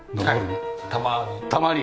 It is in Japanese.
たまに。